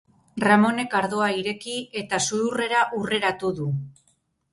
Ramonek ardoa ireki eta sudurrera hurreratu du.